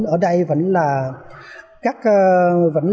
ở đây vẫn là